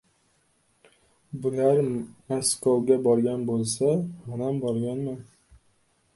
Bular Maskovga borgan bo‘lsa, manam borganman.